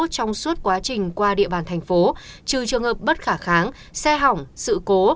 trong suốt quá trình qua địa bàn thành phố trừ trường hợp bất khả kháng xe hỏng sự cố